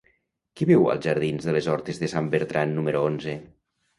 Qui viu als jardins de les Hortes de Sant Bertran número onze?